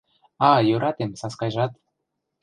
А, йӧратем, Саскайжат